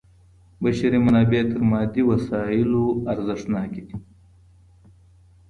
بشري منابع تر مادي وسایلو ارزښتناکي دي.